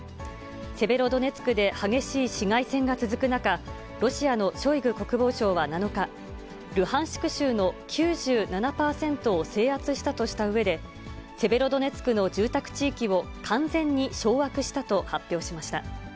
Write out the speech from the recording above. セベロドネツクで激しい市街戦が続く中、ロシアのショイグ国防相は７日、ルハンシク州の９７％を制圧したとしたうえで、セベロドネツクの住宅地域を、完全に掌握したと発表しました。